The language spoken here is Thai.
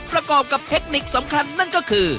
ประกอบกับเทคนิคสำคัญนั่นก็คือ